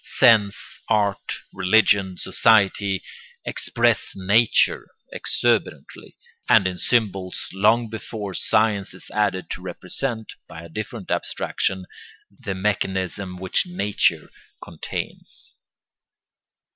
Sense, art, religion, society, express nature exuberantly and in symbols long before science is added to represent, by a different abstraction, the mechanism which nature contains.